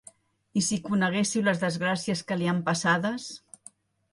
I si coneguéssiu les desgràcies que li han passades.